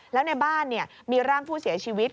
แล้วในบ้านมีร่างผู้เสียชีวิต